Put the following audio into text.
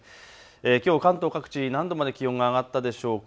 きょう関東各地、何度まで気温が上がったでしょうか。